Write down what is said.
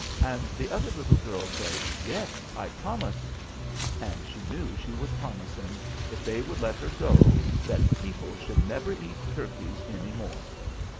and the other little girl says, "Yes, I promise," and she knew she was promising, if they would let her go, that people should never eat turkeys any more.